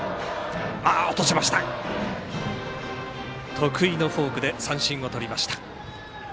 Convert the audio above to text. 得意のフォークで三振をとりました。